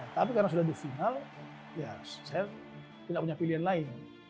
tapi karena sudah di final ya saya tidak punya pilihan lain